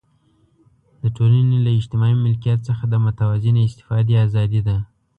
د ټولنې له اجتماعي ملکیت څخه د متوازنې استفادې آزادي ده.